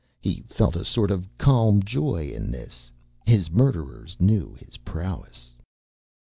He felt a sort of calm joy in this. His murderers knew his prowess.